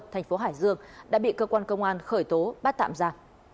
thành phố hải dương đã bị cơ quan công an khởi tố bắt tạm ra